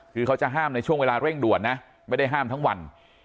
คือเขาจะห้ามในช่วงเวลาเร่งด่วนนะไม่ได้ห้ามทั้งวัน